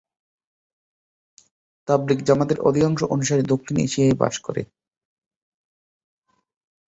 তাবলীগ জামাতের অধিকাংশ অনুসারী দক্ষিণ এশিয়ায় বাস করে।